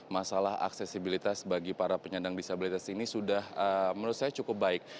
masalah aksesibilitas bagi para penyandang disabilitas ini sudah menurut saya cukup baik